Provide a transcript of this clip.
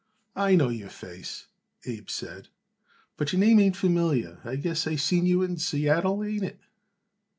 "I know your face," Abe said, "but your name ain't familiar. I guess I seen you in Seattle, ain't it?"